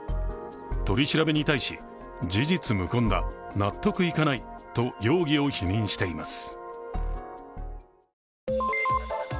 取り調べに対し、事実無根だ、納得いかないと容疑を否認しています。